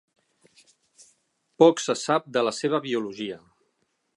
Poc se sap de la seva biologia.